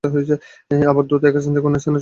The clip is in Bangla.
আবার দ্রুত এক স্থান থেকে অন্য স্থানে চলাচল করে।